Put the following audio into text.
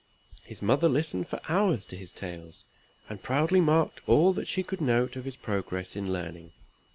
His mother listened for hours to his tales; and proudly marked all that she could note of his progress in learning.